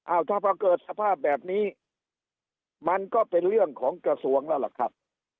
ถ้าพอเกิดสภาพแบบนี้มันก็เป็นเรื่องของกระทรวงแล้วล่ะครับ